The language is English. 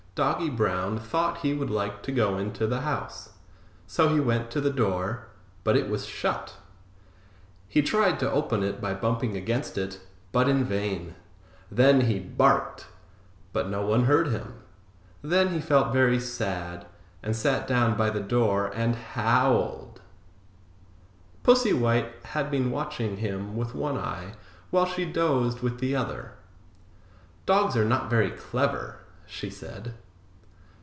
Doggy Brown thought he would like to go into the house, so he went to the door, but it was shut. He tried to open it by bumping against it, but in vain. Then he barked, but no one heard him. Then he felt very sad, and sat down by the door and howled. Pussy White had been watching him with one eye, while she dozed with the other. "Dogs are not very clever!" she said.